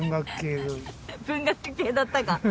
文学系だったか？